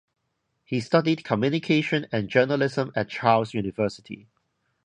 He studied communication and journalism at Charles University.